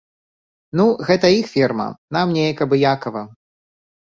Ну, гэта іх фірма, нам неяк абыякава.